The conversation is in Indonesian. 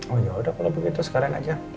oh yaudah kalau begitu sekarang aja